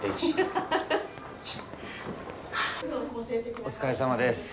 お疲れさまです。